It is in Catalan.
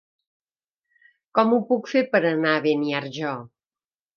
Com ho puc fer per anar a Beniarjó?